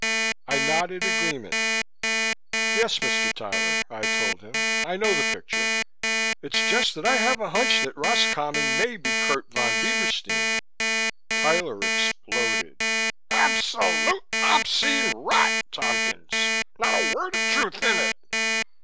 I nodded agreement. "Yes, Mr. Tyler," I told him, "I know the picture. It's just that I have a hunch that Roscommon may be Kurt Von Bieberstein." Tyler exploded. "Absolute, obscene rot, Tompkins! Not a word of truth in it.